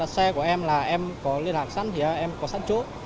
xe của em là em có liên lạc sẵn thì em có sẵn chỗ